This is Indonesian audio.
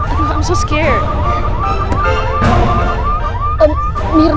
aku takut banget